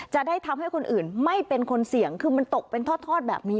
จะได้ทำให้คนอื่นไม่เป็นคนเสี่ยงคือมันตกเป็นทอดแบบนี้